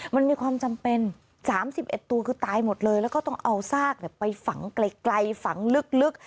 มันมีความจำเป็น๓๑ตัวคือตายหมดเลยแล้วก็ต้องเอาซากไปฝังไกลฝังลึก